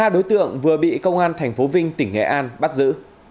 ba đối tượng vừa bị công an tp vinh tỉnh nghệ an bắt giữ